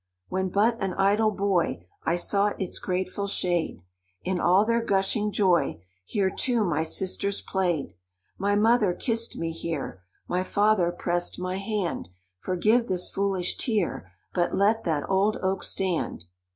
"When but an idle boy I sought its grateful shade; In all their gushing joy Here, too, my sisters played. My mother kissed me here; My father pressed my hand— Forgive this foolish tear, But let that old oak stand!